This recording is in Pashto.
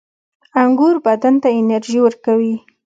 • انګور بدن ته انرژي ورکوي.